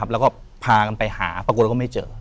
แล้วก็พากันไปหาปรากฏก็ไม่เจอ